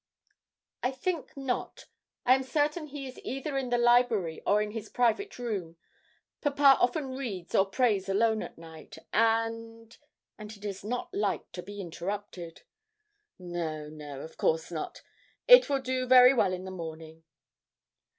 'I think not. I am certain he is either in the library or in his private room papa often reads or prays alone at night, and and he does not like to be interrupted.' 'No, no; of course not it will do very well in the morning.'